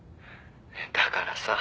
だからさ。